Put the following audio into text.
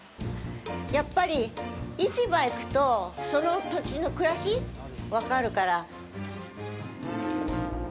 やっぱり市場へ行くとその土地の暮らし、分かるから。